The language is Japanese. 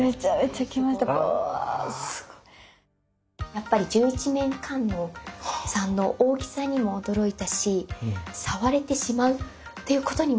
やっぱり十一面観音さんの大きさにも驚いたし触れてしまうっていうことにも驚きました。